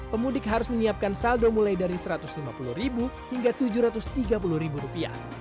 pemudik harus menyiapkan saldo mulai dari rp satu ratus lima puluh hingga rp tujuh ratus tiga puluh